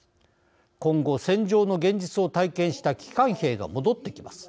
今後、戦場の現実を体験した帰還兵が戻ってきます。